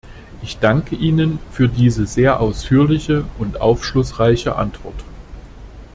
Ich danke Ihnen für diese sehr ausführliche und aufschlussreiche Antwort.